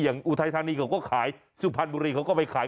อุทัยธานีเขาก็ขายสุพรรณบุรีเขาก็ไปขาย